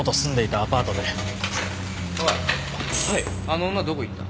あの女どこ行った？